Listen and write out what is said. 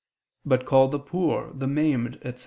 "but ... call the poor, the maimed," etc.